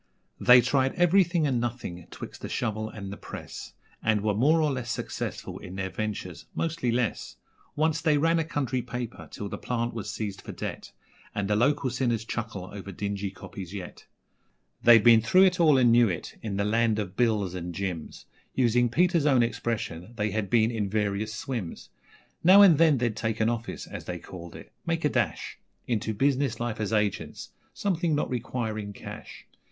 They tried everything and nothing 'twixt the shovel and the press, And were more or less successful in their ventures mostly less. Once they ran a country paper till the plant was seized for debt, And the local sinners chuckle over dingy copies yet. They'd been through it all and knew it in the land of Bills and Jims Using Peter's own expression, they had been in 'various swims'. Now and then they'd take an office, as they called it, make a dash Into business life as 'agents' something not requiring cash.